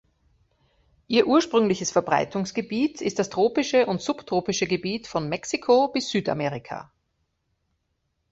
Ihr ursprüngliches Verbreitungsgebiet ist das tropische und subtropische Gebiet von Mexiko bis Südamerika.